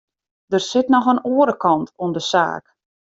Der sit noch in oare kant oan de saak.